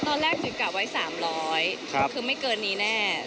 ตอนแรกถือกะไว้๓๐๐คือไม่เกินนี้แน่